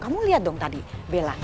kamu lihat dong tadi bella